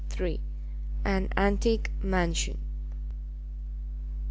AN ANTIQUE MANSION.